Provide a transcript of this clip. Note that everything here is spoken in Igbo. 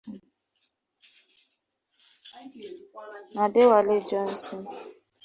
na Adewale Johnson.